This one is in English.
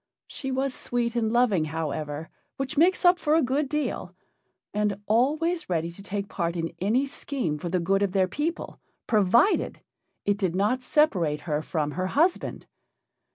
She was sweet and loving, however, which makes up for a good deal, and always ready to take part in any scheme for the good of their people, provided it did not separate her from her husband.